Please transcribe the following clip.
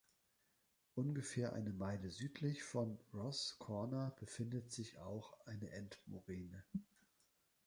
Ungefähr eine Meile südlich von Ross‘s Corner befindet sich auch eine Endmoräne.